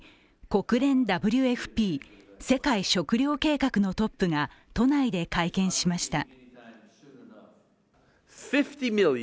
国連ＷＦＰ＝世界食糧計画のトップが都内で会見しました。